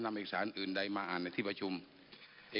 กะปริญญาตลางประชาททหลังของประชาแลส